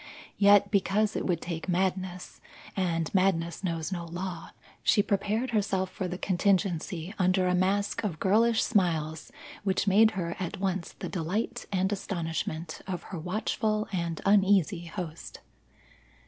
Yet because it would take madness, and madness knows no law, she prepared herself for the contingency under a mask of girlish smiles which made her at once the delight and astonishment of her watchful and uneasy host.